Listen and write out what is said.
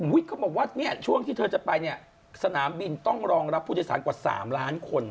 อุ้ยก็บอกว่าเนี่ยช่วงที่ท่านจะไปซนามบินต้องรองรับพูดศาลกว่า๓ล้าน